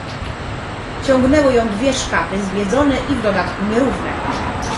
"Ciągnęły ją dwie szkapy zbiedzone i w dodatku nierówne."